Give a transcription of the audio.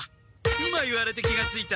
今言われて気がついた！